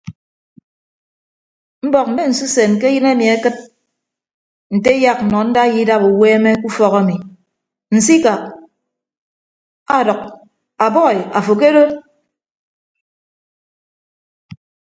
Mbọk mme nsusen ke ayịn ami akịd nte eyak nọ ndaiya idap uweeme ke ufọk ami nsikak ọdʌk a bọi afo kedo.